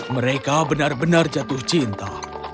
mereka benar benar jatuh cinta